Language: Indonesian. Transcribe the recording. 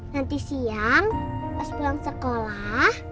nanti siang pas pulang sekolah